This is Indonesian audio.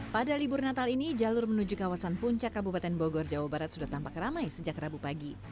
pada libur natal ini jalur menuju kawasan puncak kabupaten bogor jawa barat sudah tampak ramai sejak rabu pagi